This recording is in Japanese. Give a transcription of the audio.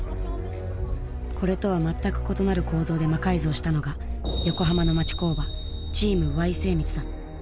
これとは全く異なる構造で魔改造したのが横浜の町工場チームＹ精密だ。